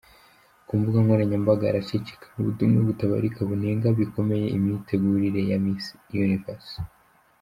Ku mbuga nkoranyambaga haracicikana ubutumwa butabarika bunenga bikomeye imitegurire ya Miss Universe.